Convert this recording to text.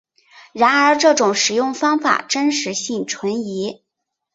然而这种食用方法真实性存疑。